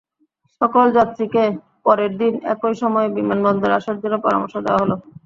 সকল যাত্রীকে পরের দিন একই সময়ে বিমানবন্দরে আসার জন্য পরামর্শ দেওয়া হলো।